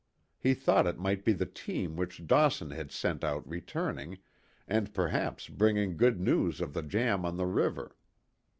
He thought it might be the team which Dawson had sent out returning, and perhaps bringing good news of the jam on the river.